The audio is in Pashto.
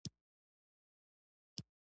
د پښو د خولې لپاره د تور چای اوبه وکاروئ